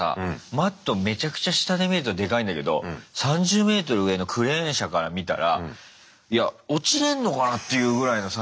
マットめちゃくちゃ下で見るとでかいんだけど３０メートル上のクレーン車から見たらいや落ちれんのかなっていうぐらいのサイズで。